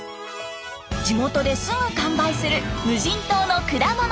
地元ですぐ完売する無人島の果物とは？